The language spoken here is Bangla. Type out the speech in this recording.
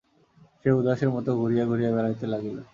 সে উদাসের মতো ঘুরিয়া ঘুরিয়া বেড়াইতে লাগিল।